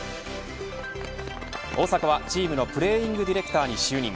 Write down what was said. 大迫はチームのプレーイングディレクターに就任。